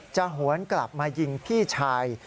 หวนกลับมายิงพี่ชาย